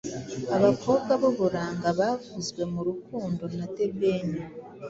abakobwa b’uburanga bavuzwe mu rukundo na the ben